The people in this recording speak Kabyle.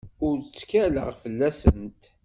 Ur ttkaleɣ fell-asent.